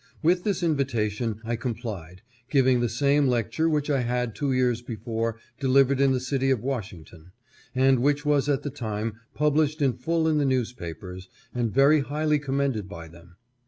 With this invitation I complied, giving the same lecture which I had two years before delivered in the city of Washington, and which was at the time published in full in the newspapers, and very highly commended by them.